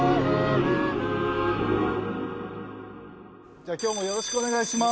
じゃあ今日もよろしくお願いします。